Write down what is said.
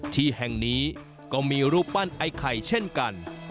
ที่แห่งนี้ก็มีรูปปั้นไอ้ไข่เช่นกัน